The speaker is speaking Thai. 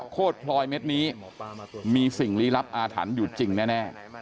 โคตรพลอยเม็ดนี้มีสิ่งลี้ลับอาถรรพ์อยู่จริงแน่